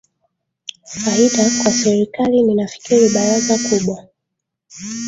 faida kwa serikali ninafikiri baraza kubwa